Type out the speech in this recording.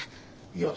いや。